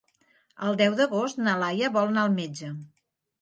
El deu d'agost na Laia vol anar al metge.